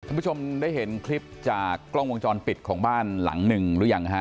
คุณผู้ชมได้เห็นคลิปจากกล้องวงจรปิดของบ้านหลังหนึ่งหรือยังฮะ